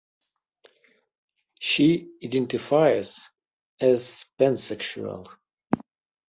She identifies as pansexual.